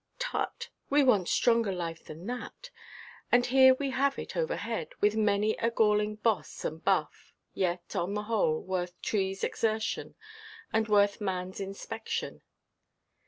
Tut—we want stronger life than that; and here we have it overhead, with many a galling boss and buff, yet, on the whole, worth treeʼs exertion, and worth manʼs inspection.